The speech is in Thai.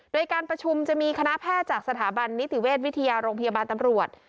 โดยการประชุมจะมีคณะแพทย์จากสถาบันนิติเวชวิทยาโรงพยาบาลตำรวจ